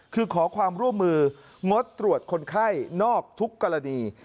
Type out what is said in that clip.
คือขอความร่วมมืองดตรวจคนไข้นอกทุกกรณี